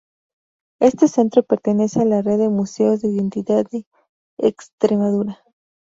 Este Centro pertenece a la red de Museos de Identidad de Extremadura.